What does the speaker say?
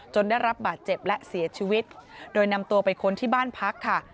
ได้รับบาดเจ็บและเสียชีวิตโดยนำตัวไปค้นที่บ้านพักค่ะ